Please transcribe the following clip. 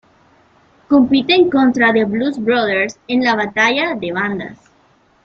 Compiten contra The Blues Brothers en la batalla de bandas.